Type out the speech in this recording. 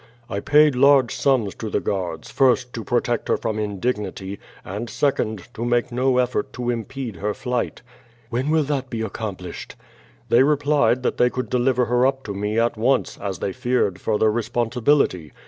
"I paid large sums to the guards, first, to protect her from indignity, and second, to make no eflEort to impede her flight." rr "When will that be accomplished?" "They replied that they could deliver her up to me at once, as they feared further responsibility.